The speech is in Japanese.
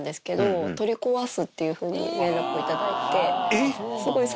えっ！